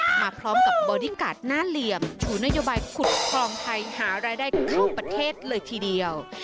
มาพร้อมกับบอดี้การ์ดหน้าเหลี่ยมชูนโยบายขุดครองไทยหารายได้เข้าประเทศเลยทีเดียว